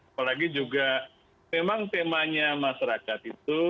apalagi juga memang temanya masyarakat itu